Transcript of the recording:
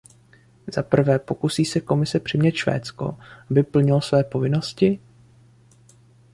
Zaprvé, pokusí se Komise přimět Švédsko, aby splnilo své povinnosti?